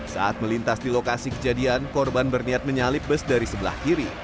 saat melintas di lokasi kejadian korban berniat menyalip bus dari sebelah kiri